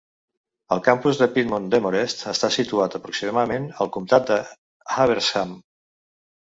El campus de Piedmont Demorest està situat aproximadament al comtat de Habersham.